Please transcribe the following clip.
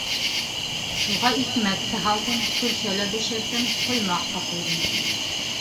Шуға икмәк тә һалдым, көлсә лә бешерҙем, ҡоймаҡ та ҡойҙом.